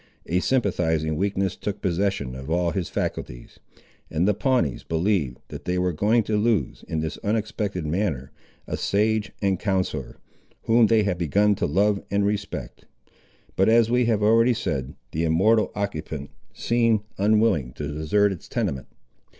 A sympathising weakness took possession of all his faculties; and the Pawnees believed, that they were going to lose, in this unexpected manner, a sage and counsellor, whom they had begun both to love and respect. But as we have already said, the immortal occupant seemed unwilling to desert its tenement.